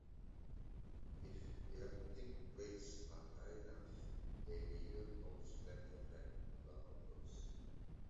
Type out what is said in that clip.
If eruptive rates are high enough, they may even form splatter-fed lava flows.